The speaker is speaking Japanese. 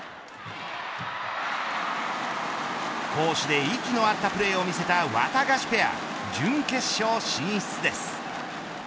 攻守で息の合ったプレーを見せたワタガシペア準決勝進出です。